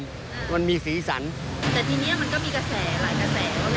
แต่ทีนี้มันก็มีกระแสหลายกระแสแล้วแบบอุ๊ยหลบเหลือหรือเปล่า